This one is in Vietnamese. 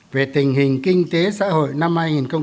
về tình hình kinh tế xã hội năm hai nghìn một mươi tám